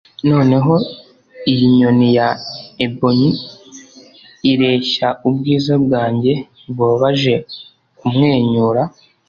noneho iyi nyoni ya ebony ireshya ubwiza bwanjye bubabaje kumwenyura